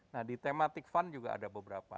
nah di thematic fund juga ada beberapa